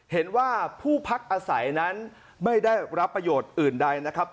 เห็นว่าผู้พักอาศัยนั้นไม่ได้รับประโยชน์อื่นใดนะครับ